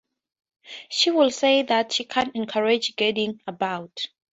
She will say that she can’t encourage gadding about.